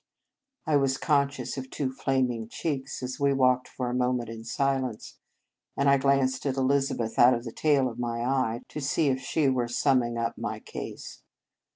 I was conscious of two flaming cheeks as we walked for a moment in silence, and I glanced at Elizabeth out of the tail of my eye to see if she were summing up my case.